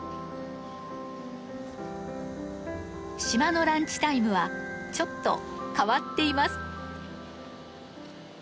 島のランチタイムはちょっと変わっています。